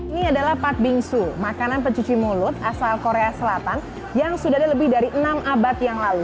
ini adalah pat bingsu makanan pencuci mulut asal korea selatan yang sudah ada lebih dari enam abad yang lalu